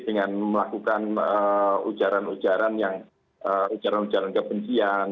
dengan melakukan ujaran ujaran yang ujaran ujaran kebencian